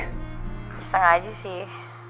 bisa gak aja sih